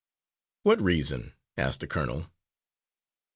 "What reason?" asked the colonel.